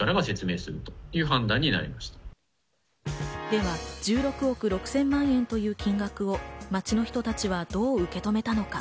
では１６億６０００万円という金額は街の人たちはどう受け止めたのか。